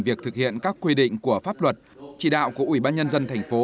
việc thực hiện các quy định của pháp luật chỉ đạo của ủy ban nhân dân thành phố